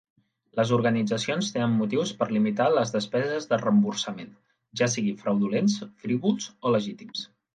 Les organitzacions tenen motius per limitar les despeses de reemborsament, ja siguin fraudulents, frívols o legítims.